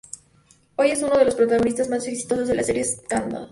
Hoy es uno de los protagonistas más exitosos de la serie Scandal.